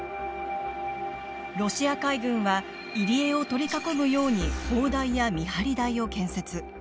ロシア海軍は入り江を取り囲むように砲台や見張り台を建設。